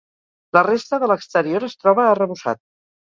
La resta de l'exterior es troba arrebossat.